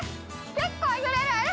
結構揺れる！